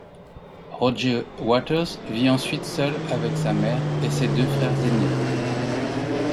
Roger Waters vit ensuite seul avec sa mère et ses deux frères aînés.